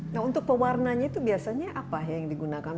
nah untuk pewarnanya itu biasanya apa yang digunakan